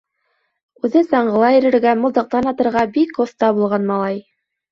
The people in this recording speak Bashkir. Үҙе саңғыла йөрөргә, мылтыҡтан атырға бик оҫта булған, малай.